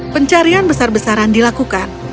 pencarian besar besaran dilakukan